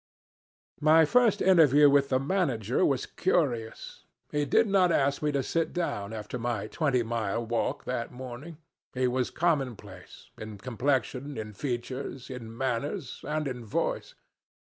"My first interview with the manager was curious. He did not ask me to sit down after my twenty mile walk that morning. He was commonplace in complexion, in features, in manners, and in voice.